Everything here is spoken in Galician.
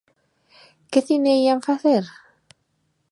Que cine ían facer?